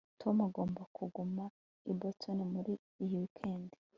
tom agomba kuguma i boston muri iyi weekend